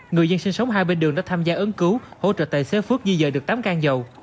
người dân sinh sống hai bên đường đã tham gia ấn cứu hỗ trợ tài xế phước di dời được tám căn dầu